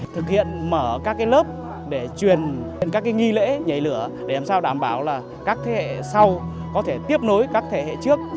thực hiện mở các lớp để truyền các nghi lễ nhảy lửa để làm sao đảm bảo là các thế hệ sau có thể tiếp nối các thế hệ trước